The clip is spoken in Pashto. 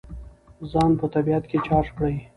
ځان په طبیعت کې چارج کړئ.